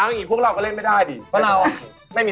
อ้างคิดพวกเราก็เล่นไม่ได้สิ